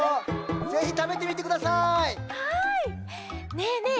ねえねえ